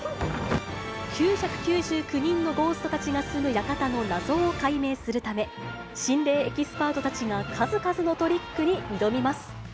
９９９人のゴーストたちが住むやかたの謎を解明するため、心霊エキスパートたちが数々のトリックに挑みます。